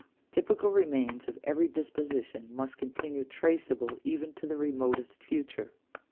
Typical remains of every disposition must continue traceable even to the remotest future.